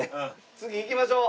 次行きましょう！